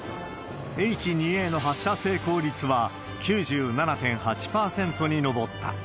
Ｈ２Ａの発射成功率は９７．８％に上った。